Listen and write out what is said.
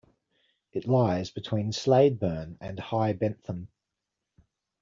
It lies between Slaidburn and High Bentham.